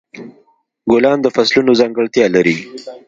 ګلان د فصلونو ځانګړتیا لري.